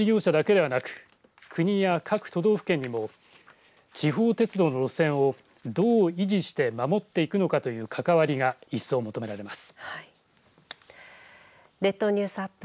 今後は鉄道事業者だけではなく国や各都道府県にも地方鉄道の路線をどう維持して守っていくのかという関わりが一層、求められます。